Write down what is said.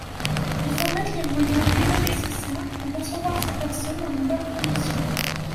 Il faut mettre les moyens humains nécessaires pour recevoir ces personnes dans de bonnes conditions.